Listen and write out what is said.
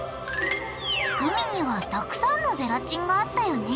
グミにはたくさんのゼラチンがあったよね。